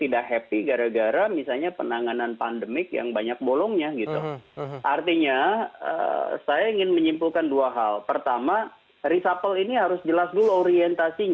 ditambah pandemik perwakilan pes circulan